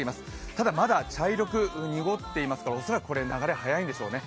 ただまだ茶色く濁っていますから、恐らくこれ流れ早いんでしょうね。